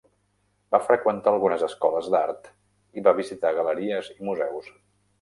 Va freqüentar algunes escoles d'art i va visitar galeries i museus.